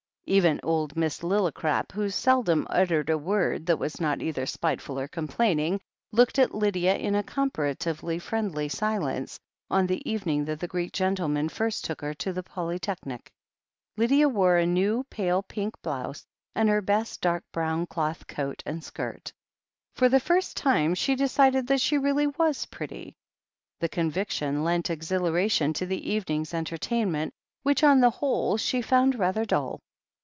Even old Miss Lillicrap, who seldom uttered a word that was not either spiteful or complaining, looked at Lydia in a comparatively friendly silence on the evening that the Greek gentleman first took her to the Polytechnic. Lydia wore a new, pale pink blouse, and her best dark brown cloth coat and skirt. For the first time, she decided that she really was pretty. The conviction lent exhilaration to the evening's en tertainment, which on the whole she found rather dull.